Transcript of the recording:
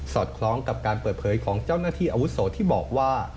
คล้องกับการเปิดเผยของเจ้าหน้าที่อาวุโสที่บอกว่า